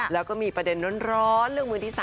แล้วก็มีประเด็นร้อนเรื่องมือที่๓